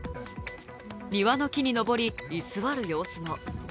庭の木に登り、居座る様子も。